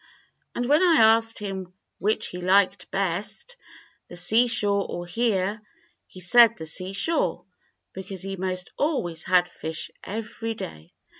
"And when I asked him which he hked best, the seashore or here, he said the seashore, because he 'most always had fish every day.